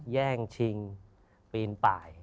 แย่งชิงปีนป่าย